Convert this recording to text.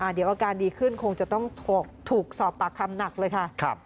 เดี๋ยวอาการดีขึ้นคงจะต้องถูกสอบปากคำหนักเลยค่ะ